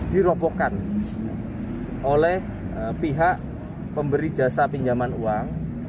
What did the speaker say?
diropokkan oleh pihak pemberi jasa pinjaman uang